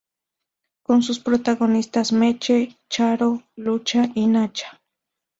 Con sus protagonistas Meche, Charo, Lucha y Nacha.